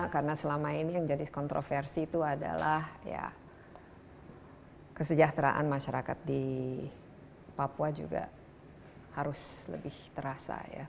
karena selama ini yang jadi kontroversi itu adalah ya kesejahteraan masyarakat di papua juga harus lebih terasa ya